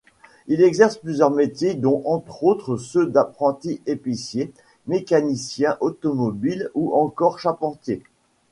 Il exerce plusieurs métiers, dont entre autres ceux d'apprenti-épicier, mécanicien automobile ou encore charpentier.